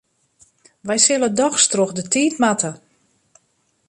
Wy sille dochs troch de tiid moatte.